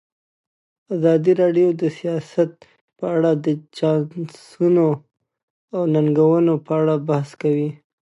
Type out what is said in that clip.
ازادي راډیو د سیاست په اړه د چانسونو او ننګونو په اړه بحث کړی.